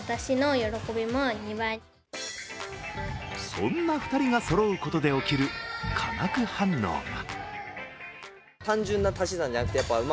そんな２人がそろうことで起きる科学反応が。